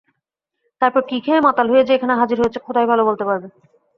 তারপর কী খেয়ে মাতাল হয়ে যে এখানে হাজির হয়েছ খোদাই ভালো বলতে পারবে!